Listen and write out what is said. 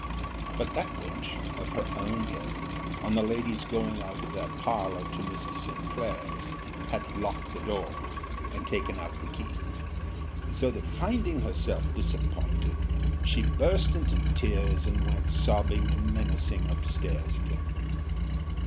But that wench, of her own head, on the lady's going out of that parlour to Mrs. Sinclair's, had locked the door, and taken out the key: so that finding herself disappointed, she burst into tears, and went sobbing and menacing up stairs again.